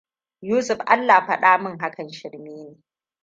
Yusuf Allah faɗa min hakan shirme ne.